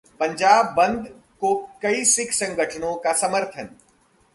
पंजाब बंद को कई सिख संगठनों का समर्थन